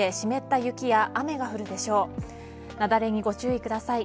雪崩にご注意ください。